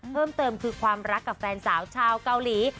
เพิ่มเติมคือความรักกับแฟนสาวชาวเกาหลี